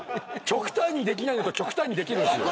極端にできないのと極端にできるんですよ。